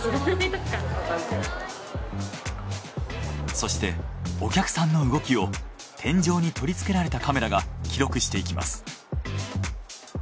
そしてお客さんの動きを天井に取り付けられたカメラが記録していきます。